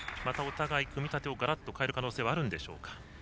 またお互い組み立てをガラッと変える可能性はあるんでしょうか。